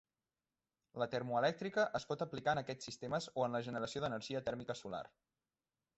La termoelèctrica es pot aplicar en aquests sistemes o en la generació d'energia tèrmica solar.